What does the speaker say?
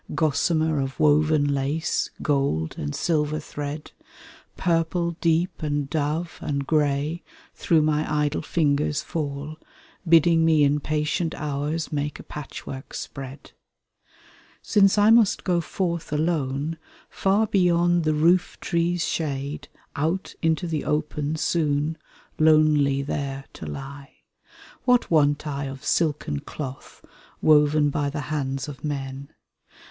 Gossamer of woven lace, gold and silver thread, Purple deep and dove, and grey, through my idle fingers fall. Bidding me in patient hours make a patchwork spread. Since I must go forth alone, far beyond the roof tree*s shade. Out into the open soon lonely there to lie. What want I of silken cloth woven by the hands of men?